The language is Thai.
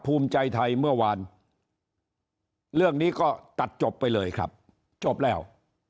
ภูมิใจไทยเมื่อวานเรื่องนี้ก็ตัดจบไปเลยครับจบแล้ว